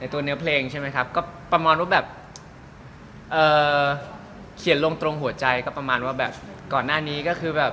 ตัวเนื้อเพลงใช่ไหมครับก็ประมาณว่าแบบเอ่อเขียนลงตรงหัวใจก็ประมาณว่าแบบก่อนหน้านี้ก็คือแบบ